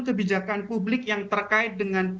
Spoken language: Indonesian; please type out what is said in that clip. kebijakan publik yang terkait dengan